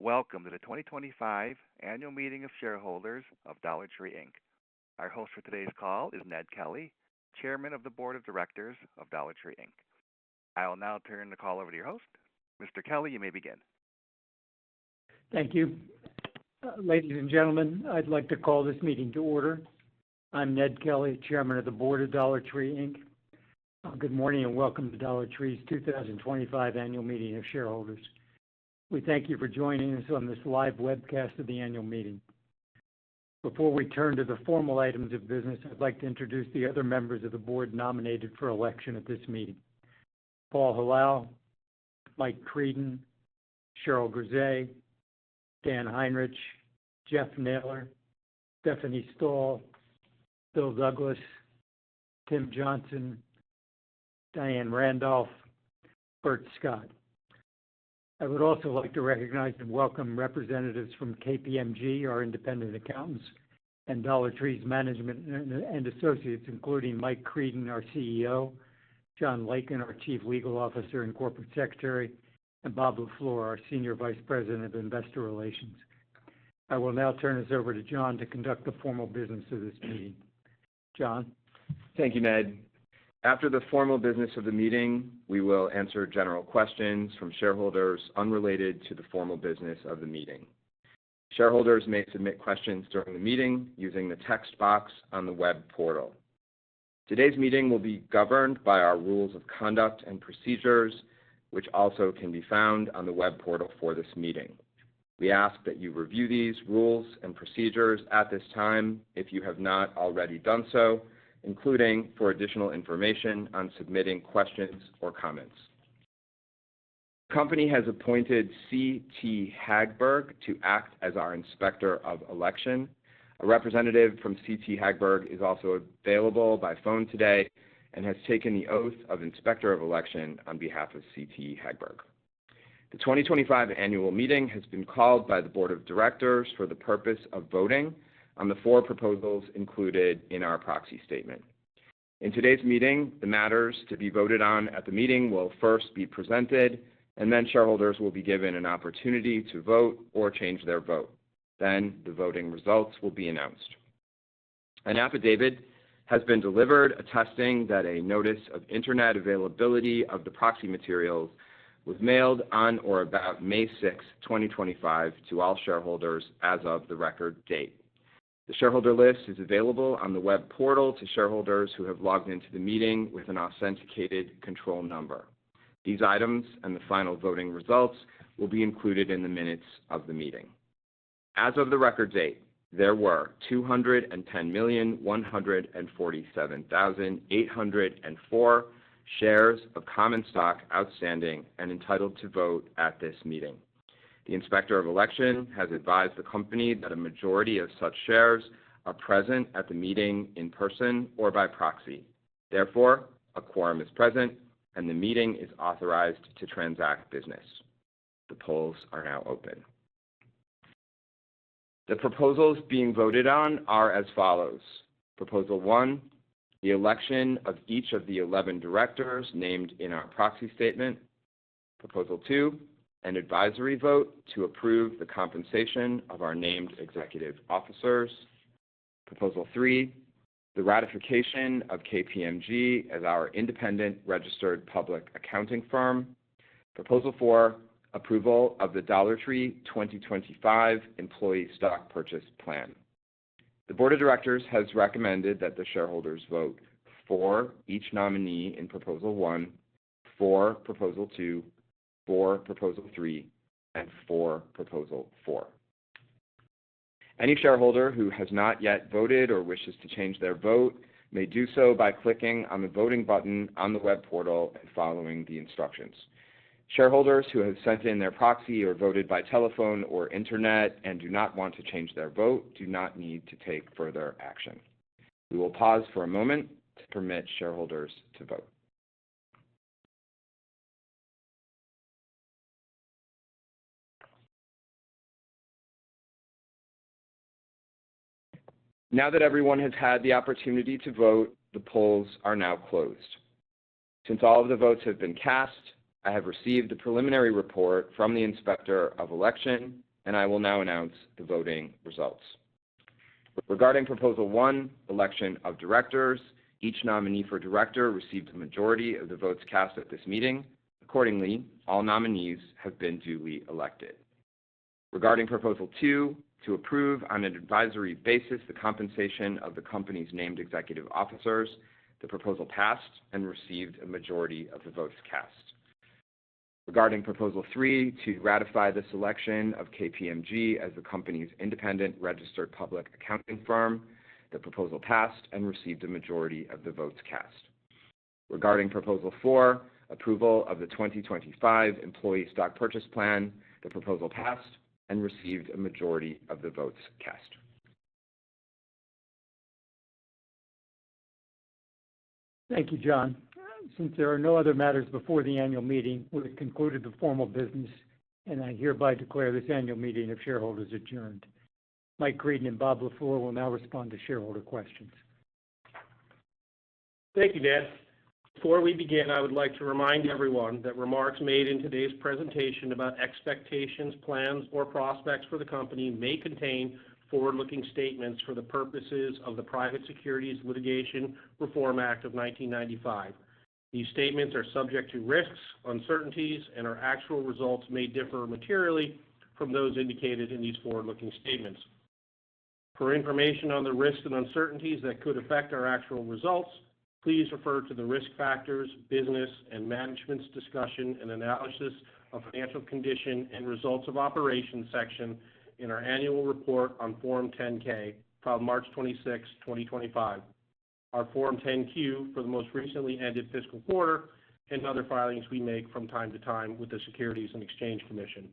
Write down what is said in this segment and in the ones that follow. Welcome to the 2025 annual meeting of shareholders of Dollar Tree, Inc. Our host for today's call is Ned Kelly, Chairman of the Board of Directors of Dollar Tree, Inc. I will now turn the call over to your host. Mr. Kelly, you may begin. Thank you. Ladies and gentlemen, I'd like to call this meeting to order. I'm Ned Kelly, Chairman of the Board of Dollar Tree, Inc. Good morning and welcome to Dollar Tree, Inc.'s 2025 annual meeting of shareholders. We thank you for joining us on this live webcast of the annual meeting. Before we turn to the formal items of business, I'd like to introduce the other members of the board nominated for election at this meeting. Paul Hilal, Mike Creedon, Cheryl Grisé, Dan Heinrich, Jeff Naylor, Stephanie Stahl, Bill Douglas, Tim Johnson, Diane Randolph, Bert Scott. I would also like to recognize and welcome representatives from KPMG, our independent accountants, and Dollar Tree, Inc.'s management and associates, including Mike Creedon, our CEO, John Lakin, our Chief Legal Officer and Corporate Secretary, and Bob LaFleur, our Senior Vice President of Investor Relations. I will now turn this over to John Lakin to conduct the formal business of this meeting. John Lakin. Thank you, Ned. After the formal business of the meeting, we will answer general questions from shareholders unrelated to the formal business of the meeting. Shareholders may submit questions during the meeting using the text box on the web portal. Today's meeting will be governed by our rules of conduct and procedures, which also can be found on the web portal for this meeting. We ask that you review these rules and procedures at this time if you have not already done so, including for additional information on submitting questions or comments. The company has appointed CT Hagberg to act as our inspector of election. A representative from CT Hagberg is also available by phone today and has taken the oath of inspector of election on behalf of CT Hagberg. The 2025 annual meeting has been called by the board of directors for the purpose of voting on the four proposals included in our proxy statement. In today's meeting, the matters to be voted on at the meeting will first be presented, and then shareholders will be given an opportunity to vote or change their vote. The voting results will be announced. An affidavit has been delivered attesting that a notice of internet availability of the proxy materials was mailed on or about May 6, 2025 to all shareholders as of the record date. The shareholder list is available on the web portal to shareholders who have logged into the meeting with an authenticated control number. These items and the final voting results will be included in the minutes of the meeting. As of the record date, there were 210,147,804 shares of common stock outstanding and entitled to vote at this meeting. The inspector of election has advised the company that a majority of such shares are present at the meeting in person or by proxy. Therefore, a quorum is present, and the meeting is authorized to transact business. The polls are now open. The proposals being voted on are as follows. Proposal one, the election of each of the 11 directors named in our proxy statement. Proposal two, an advisory vote to approve the compensation of our named executive officers. Proposal three, the ratification of KPMG as our independent registered public accounting firm. Proposal four, approval of the Dollar Tree 2025 Employee Stock Purchase Plan. The board of directors has recommended that the shareholders vote for each nominee in proposal one, for proposal two, for proposal three, and for proposal four. Any shareholder who has not yet voted or wishes to change their vote may do so by clicking on the voting button on the web portal and following the instructions. Shareholders who have sent in their proxy or voted by telephone or internet and do not want to change their vote do not need to take further action. We will pause for a moment to permit shareholders to vote. Now that everyone has had the opportunity to vote, the polls are now closed. Since all of the votes have been cast, I have received a preliminary report from the inspector of election, and I will now announce the voting results. Regarding proposal one, election of directors, each nominee for director received the majority of the votes cast at this meeting. Accordingly, all nominees have been duly elected. Regarding proposal two, to approve on an advisory basis the compensation of the company's named executive officers, the proposal passed and received a majority of the votes cast. Regarding proposal three, to ratify the selection of KPMG as the company's independent registered public accounting firm, the proposal passed and received a majority of the votes cast. Regarding proposal four, approval of the 2025 Employee Stock Purchase Plan, the proposal passed and received a majority of the votes cast. Thank you, John. Since there are no other matters before the annual meeting, we have concluded the formal business, and I hereby declare this annual meeting of shareholders adjourned. Mike Creedon and Bob LaFleur will now respond to shareholder questions. Thank you, Dan. Before we begin, I would like to remind everyone that remarks made in today's presentation about expectations, plans, or prospects for the company may contain forward-looking statements for the purposes of the Private Securities Litigation Reform Act of 1995. These statements are subject to risks, uncertainties, and our actual results may differ materially from those indicated in these forward-looking statements. For information on the risks and uncertainties that could affect our actual results, please refer to the risk factors, business, and Management's Discussion and Analysis of Financial Condition and Results of Operations section in our annual report on Form 10-K filed March 26, 2025. Our Form 10-Q for the most recently ended fiscal quarter and other filings we make from time to time with the Securities and Exchange Commission.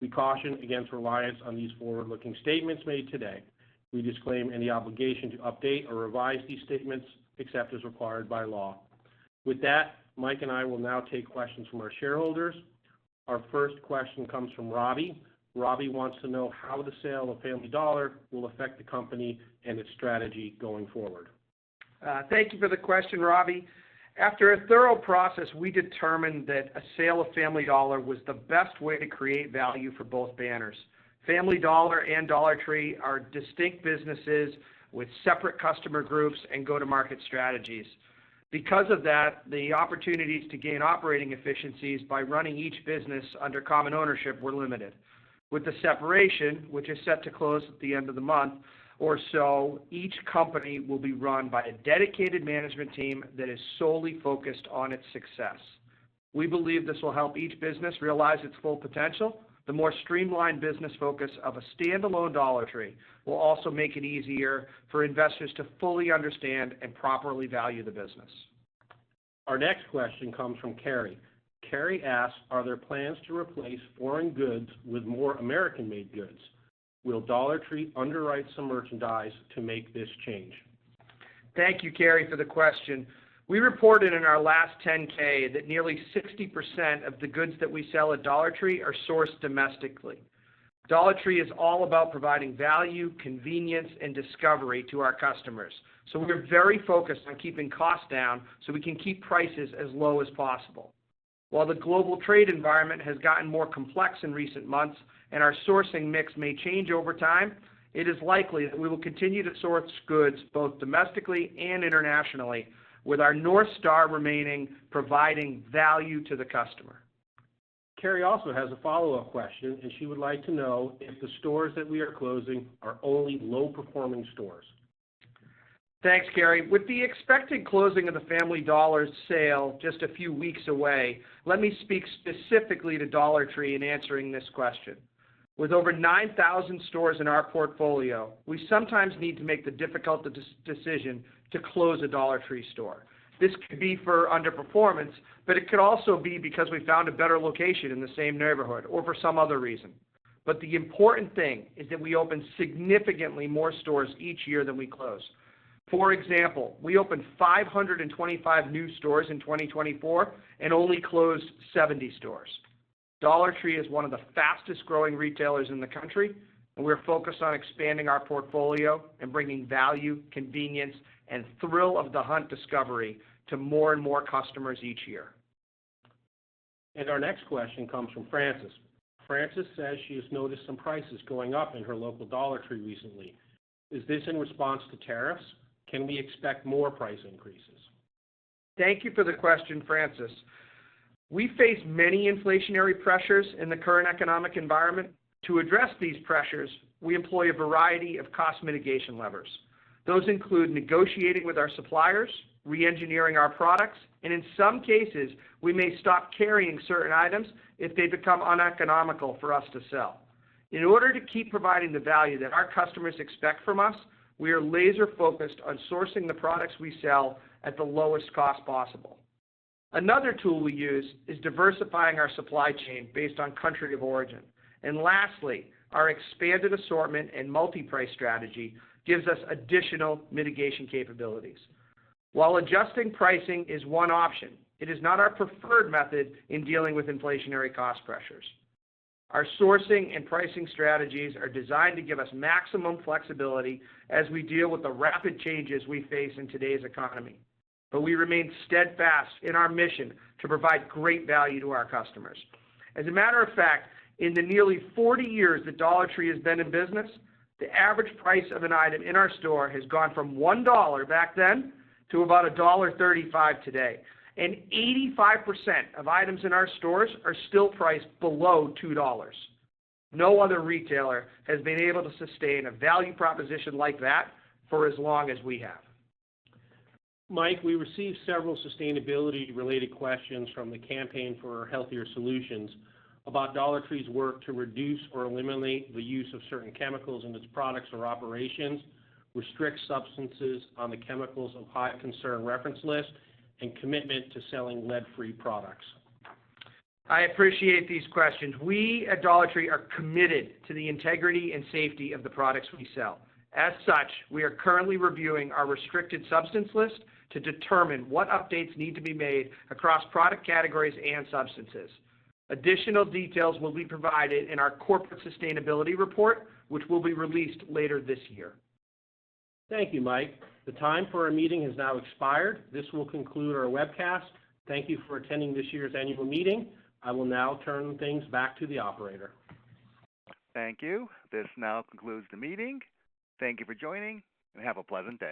We caution against reliance on these forward-looking statements made today. We disclaim any obligation to update or revise these statements except as required by law. With that, Mike and I will now take questions from our shareholders. Our first question comes from Robbie. Robbie wants to know how the sale of Family Dollar will affect the company and its strategy going forward? Thank you for the question, Robbie. After a thorough process, we determined that a sale of Family Dollar was the best way to create value for both banners. Family Dollar and Dollar Tree are distinct businesses with separate customer groups and go-to-market strategies. Because of that, the opportunities to gain operating efficiencies by running each business under common ownership were limited. With the separation, which is set to close at the end of the month or so, each company will be run by a dedicated management team that is solely focused on its success. We believe this will help each business realize its full potential. The more streamlined business focus of a standalone Dollar Tree will also make it easier for investors to fully understand and properly value the business. Our next question comes from Carrie. Carrie asks, are there plans to replace foreign goods with more American-made goods? Will Dollar Tree underwrite some merchandise to make this change? Thank you, Carrie, for the question. We reported in our last 10-K that nearly 60% of the goods that we sell at Dollar Tree are sourced domestically. Dollar Tree is all about providing value, convenience, and discovery to our customers, so we're very focused on keeping costs down so we can keep prices as low as possible. While the global trade environment has gotten more complex in recent months and our sourcing mix may change over time, it is likely that we will continue to source goods both domestically and internationally with our North Star remaining providing value to the customer. Carrie also has a follow-up question, and she would like to know if the stores that we are closing are only low-performing stores. Thanks, Carrie. With the expected closing of the Family Dollar sale just a few weeks away, let me speak specifically to Dollar Tree in answering this question. With over 9,000 stores in our portfolio, we sometimes need to make the difficult decision to close a Dollar Tree store. This could be for underperformance, but it could also be because we found a better location in the same neighborhood or for some other reason. The important thing is that we open significantly more stores each year than we close. For example, we opened 525 new stores in 2024 and only closed 70 stores. Dollar Tree is one of the fastest-growing retailers in the country, and we're focused on expanding our portfolio and bringing value, convenience, and thrill of the hunt discovery to more and more customers each year. Our next question comes from Francis. Francis says she has noticed some prices going up in her local Dollar Tree recently. Is this in response to tariffs? Can we expect more price increases? Thank you for the question, Francis. We face many inflationary pressures in the current economic environment. To address these pressures, we employ a variety of cost mitigation levers. Those include negotiating with our suppliers, re-engineering our products, and in some cases, we may stop carrying certain items if they become uneconomical for us to sell. In order to keep providing the value that our customers expect from us, we are laser-focused on sourcing the products we sell at the lowest cost possible. Another tool we use is diversifying our supply chain based on country of origin. Lastly, our expanded assortment and multi-price strategy gives us additional mitigation capabilities. While adjusting pricing is one option, it is not our preferred method in dealing with inflationary cost pressures. Our sourcing and pricing strategies are designed to give us maximum flexibility as we deal with the rapid changes we face in today's economy. We remain steadfast in our mission to provide great value to our customers. As a matter of fact, in the nearly 40 years that Dollar Tree has been in business, the average price of an item in our store has gone from $1 back then to about $1.35 today. 85% of items in our stores are still priced below $2. No other retailer has been able to sustain a value proposition like that for as long as we have. Mike, we received several sustainability-related questions from the Campaign for Healthier Solutions about Dollar Tree's work to reduce or eliminate the use of certain chemicals in its products or operations, restrict substances on the Chemicals of High Concern to Children, and commitment to selling lead-free products. I appreciate these questions. We at Dollar Tree are committed to the integrity and safety of the products we sell. As such, we are currently reviewing our Restricted Substances List to determine what updates need to be made across product categories and substances. Additional details will be provided in our corporate sustainability report, which will be released later this year. Thank you, Mike. The time for our meeting has now expired. This will conclude our webcast. Thank you for attending this year's annual meeting. I will now turn things back to the operator. Thank you. This now concludes the meeting. Thank you for joining, and have a pleasant day.